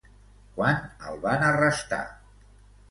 Quan el van arrestar?